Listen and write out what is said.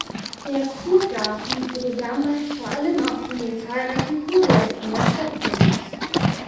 Der Kurgarten wurde damals vor allem auch von den zahlreichen Kurgästen der Stadt genutzt.